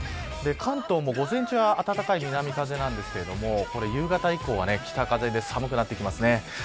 関東も午前中は暖かい南風なんですが夕方以降は北風で寒くなってきますね。